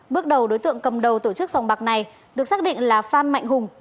bước đầu đối tượng cầm đầu tổ chức sòng bạc này được xác định là phan mạnh hùng